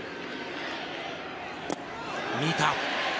見た。